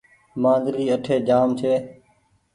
مآنجلي اٺي جآم ڇي۔